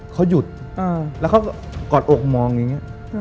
เขาหยุดแล้วเขากอดอกมองอย่างนี้